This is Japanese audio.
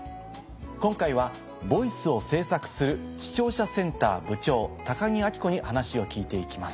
今回は「ＶＯＩＣＥ」を制作する視聴者センター部長木明子に話を聞いていきます。